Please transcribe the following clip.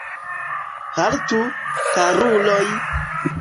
Haltu, karuloj!